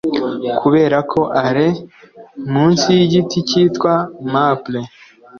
kuberako alain, munsi yigiti cyitwa maple